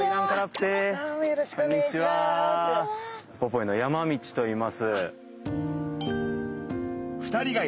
ウポポイの山道といいます。